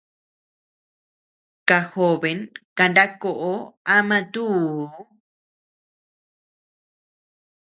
Kajoben kana koʼo ama tuu.